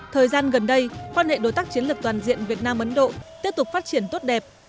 thời gian gần đây quan hệ đối tác chiến lược toàn diện việt nam ấn độ tiếp tục phát triển tốt đẹp